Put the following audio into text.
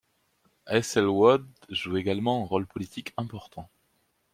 Æthelwold joue également un rôle politique important.